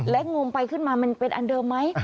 และงมไปขึ้นมามันเป็นอันเดิมไหม